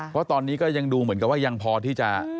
เพราะตอนนี้ก็ยังดูเหมือนกับว่ายังพอที่จะ